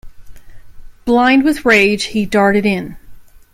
Blind with rage, he darted in.